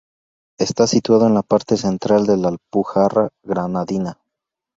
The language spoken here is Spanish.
Está situado en la parte central de la Alpujarra Granadina.